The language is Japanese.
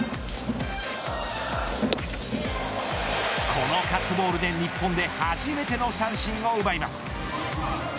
このカットボールで日本で初めての三振を奪います。